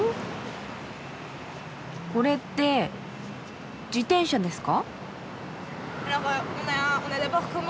これって自転車ですか？